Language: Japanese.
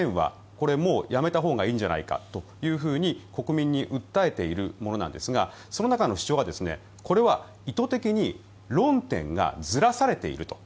これ、もうやめたほうがいいんじゃないかというふうに国民に訴えているものなんですがその中の主張がこれは意図的に論点がずらされていると。